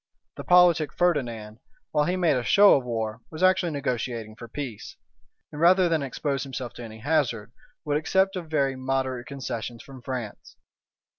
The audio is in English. The politic Ferdinand, while he made a show of war, was actually negotiating for peace; and rather than expose himself to any hazard, would accept of very moderate concessions from France.